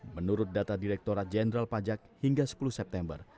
menurut data direkturat jenderal pajak hingga sepuluh september